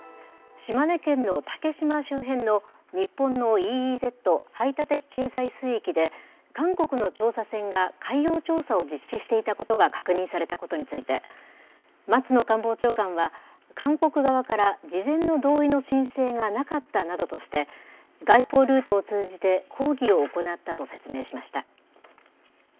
島根県の竹島周辺の日本のＥＥＺ・排他的経済水域で、韓国の調査船が海洋調査を実施していたことが確認されたことについて、松野官房長官は韓国側から事前の同意の申請がなかったなどとして、外交ルートを通じて、抗議を行ったと説明しました。